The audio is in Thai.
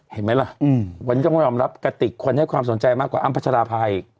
เห็นไหมล่ะวันนี้ต้องยอมรับกระติกคนให้ความสนใจมากกว่าอ้ำพัชราภาอีก